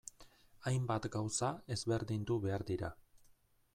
Hainbat gauza ezberdindu behar dira.